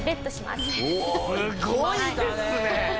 すごいですね！